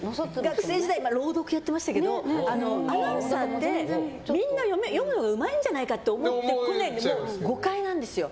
学生時代は朗読やってましたけどアナウンサーってみんな読むのうまいんじゃないかって思われるけど誤解なんですよ。